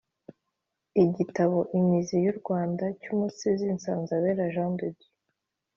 Igitabo “Imizi y’u Rwanda” cy’Umusizi Nsanzabera Jean de Dieu